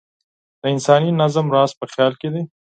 د انساني نظم راز په خیال کې دی.